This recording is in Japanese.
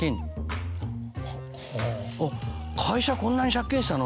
「会社こんなに借金したの？」